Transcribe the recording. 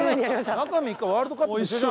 中３日ワールドカップと一緒じゃん。